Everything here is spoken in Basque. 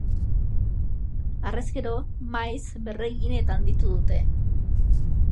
Harrezkero maiz berregin eta handitu dute.